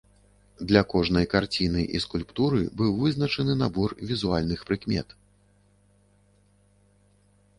Для кожнай карціны і скульптуры быў вызначаны набор візуальных прыкмет.